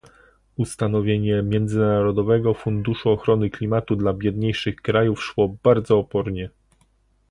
Ustanawianie Międzynarodowego Funduszu Ochrony Klimatu dla biedniejszych krajów szło bardzo opornie